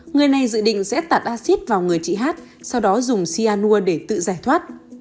người này dự định sẽ tạt acid vào người chị hát sau đó dùng cyanur để tự giải thoát